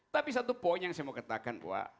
tapi satu poin yang saya mau katakan